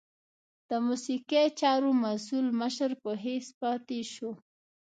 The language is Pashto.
د موسیقي چارو مسؤل مشر په حیث پاته شو.